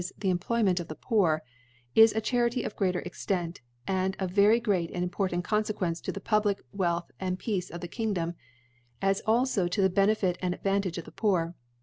the Employment of * the Poor) is a Charity of greater Extent, ' and of very great and important Confe * qucnce to the public Wealth and Peace of * the Kingdom, as alfo to the Benefit and * Advantage of the Poor.